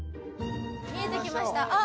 見えてきましたあっ